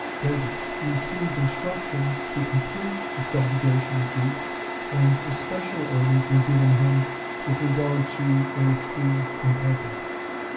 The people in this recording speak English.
Datis received instructions to complete the subjugation of Greece, and especial orders were given him with regard to Eretria and Athens.